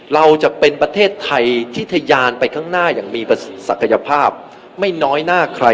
เราจะเป็นประเทศไทยที่ทยานไปข้างหน้า